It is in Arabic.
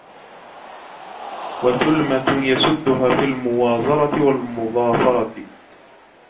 وَثُلْمَةٌ يَسُدُّهَا فِي الْمُؤَازَرَةِ وَالْمُظَافَرَةِ